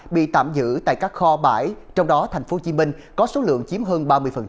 bị tạm giữ tại các kho bãi trong đó thành phố hồ chí minh có số lượng chiếm hơn ba mươi